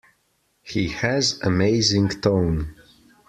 He has amazing tone.